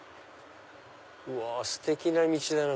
うわステキな道だね。